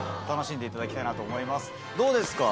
楽しんでいただきたいなと思います。